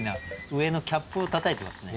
上のキャップをたたいてますね。